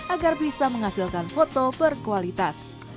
agar bisa menghasilkan foto berkualitas